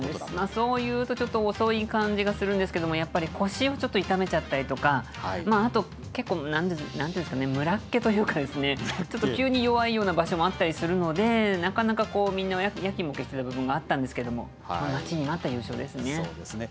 そういうと、ちょっと遅い感じがするんですけれども、やっぱり腰をちょっと痛めちゃったりとか、あと結構、なんていうんですかね、むらっけというんですね、ちょっと急に弱いような場所もあったりするので、なかなかみんなやきもきしている部分があったりしたんですけれどそうですね。